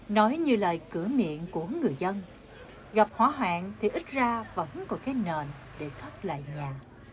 nói như lời cửa miệng của người dân gặp hỏa hoạn thì ít ra vẫn có cái nền để thoát lại nhà